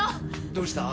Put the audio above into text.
どうした？